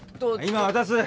今渡す！